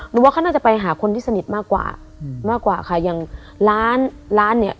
หนูว่าเขาน่าจะไปหาคนที่สนิทมากกว่ามากกว่าค่ะอย่างร้านร้านเนี้ย